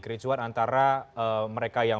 kericuan antara mereka yang